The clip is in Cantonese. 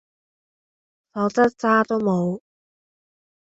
否則渣都無